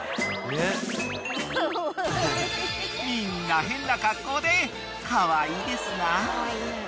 ［みんな変な格好でカワイイですなぁ］